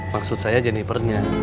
maksud saya jennifernya